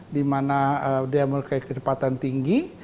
di mana dia memiliki kecepatan tinggi